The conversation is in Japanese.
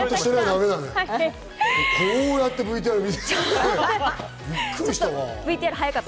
こうやってＶＴＲ見てた。